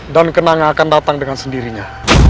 dan kenangan akan datang dengan sendirinya